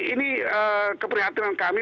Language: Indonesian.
ini keprihatinan kami